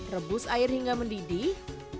rebus air hingga mendidih